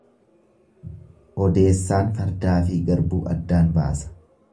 Odeessaan fardaafi garbuu addaan baasa.